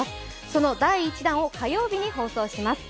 その第１弾を火曜日に放送します。